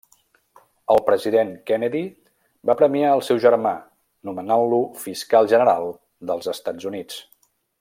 El president Kennedy va premiar el seu germà nomenant-lo Fiscal General dels Estats Units.